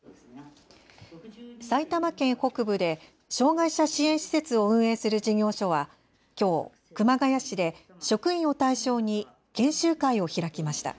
埼玉県北部で障害者支援施設を運営する事業所はきょう熊谷市で職員を対象に研修会を開きました。